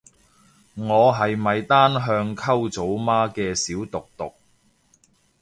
我係咪嗰啲單向溝組媽嘅小毒毒